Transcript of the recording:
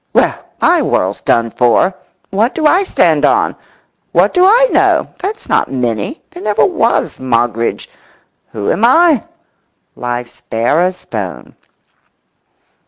… Well, my world's done for! What do I stand on? What do I know? That's not Minnie. There never was Moggridge. Who am I? Life's bare as bone.